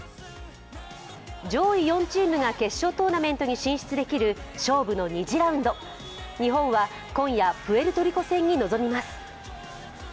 上位４チームが決勝トーナメントに進出できる勝負の２次ラウンド、日本は今夜プエルトリコ戦に臨みます。